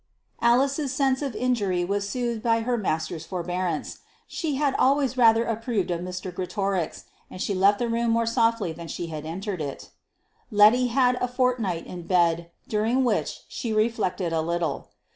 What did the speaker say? Alice's sense of injury was soothed by her master's forbearance. She had always rather approved of Mr. Greatorex, and she left the room more softly than she had entered it. Letty had a fortnight in bed, during which she reflected a little.